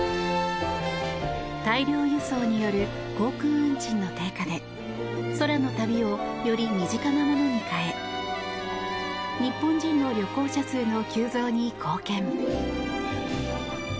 大量輸送による航空運賃の低下で空の旅をより身近なものに変え日本人の旅行者数の急増に貢献。